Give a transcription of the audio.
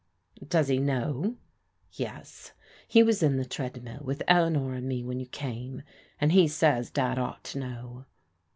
" Does he know ?"*' Yes, he was in the ' Treadmill ' with Eleanor and me when you came, and he says Dad ought to know."